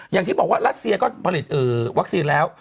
อย่างที่บอกว่ารัสเซียก็ผลิตวัคซีนแล้ว